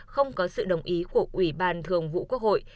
không có sự đồng ý của ủy ban thường vụ quốc hội